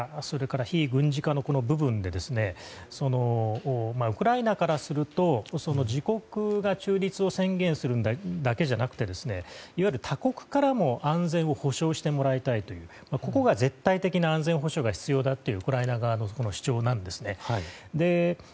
それから非軍事化の部分でウクライナからすると自国が中立を宣言するだけじゃなくいわゆる他国からも安全を保障してもらいたいというここが絶対的な安全保障が必要だとウクライナ側の主張なんですね。